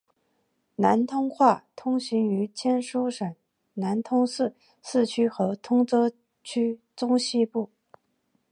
南通话通行于江苏省南通市市区和通州区中西部。